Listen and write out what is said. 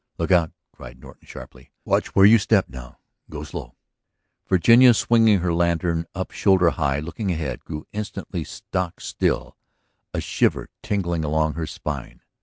"Look out," called Norton sharply. "Watch where you step now. Go slow." Virginia swinging her lantern up shoulder high, looking ahead, grew instantly stock still, a shiver tingling along her spine.